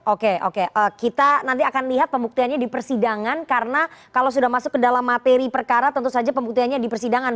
oke oke kita nanti akan lihat pembuktiannya di persidangan karena kalau sudah masuk ke dalam materi perkara tentu saja pembuktiannya di persidangan